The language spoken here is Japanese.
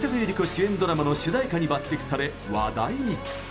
主演ドラマの主題歌に抜てきされ話題に。